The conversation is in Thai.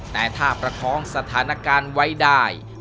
แต่ถ้าประคองสถานการณ์ไว้ได้